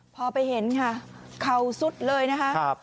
พอไปเห็นค่ะเข่าสุดเลยนะคะ